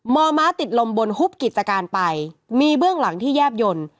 อมม้าติดลมบนฮุบกิจการไปมีเบื้องหลังที่แยบยนต์